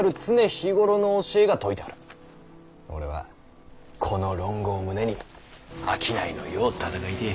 俺はこの「論語」を胸に商いの世を闘いてぇ。